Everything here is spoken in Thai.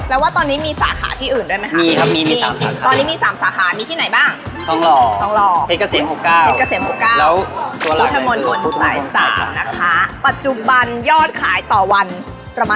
พี่คริสเปิดร้านมากี่ปีแล้วก๋วยเตี๋ยวซุโภทไทยลุงป้า